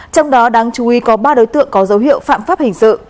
trong đó đáng chú ý có ba đối tượng có dấu hiệu phạm pháp hình sự